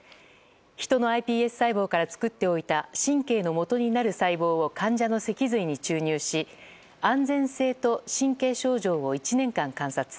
ヒトのｉＰＳ細胞から作っておいた神経のもとになる細胞を患者の脊髄に注入し安全性と神経症状を１年間観察。